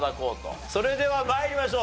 それでは参りましょう。